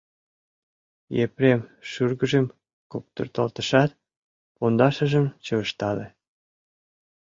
Епрем шӱргыжым куптырталтышат, пондашыжым чывыштале.